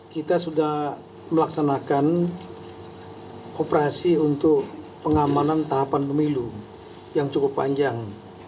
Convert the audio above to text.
kita sudah melaksanakan operasi untuk pengamanan tahapan pemilu yang cukup panjang